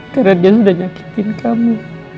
keranya sudah nyakitin kamu